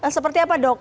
seperti apa dok